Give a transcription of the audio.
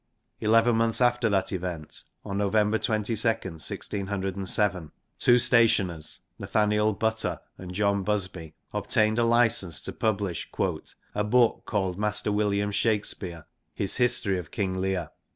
Eleven months after that event, on November 22, 1607, two stationers, Nathaniel Butter and John Busby, obtained a license to publish *a booke called Master William Shakespeare, his f history of King Lear.'